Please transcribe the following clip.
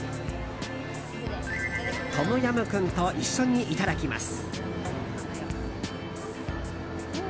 トムヤムクンと一緒にいただきます。